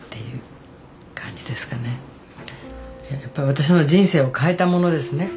やっぱり私の人生を変えたものですね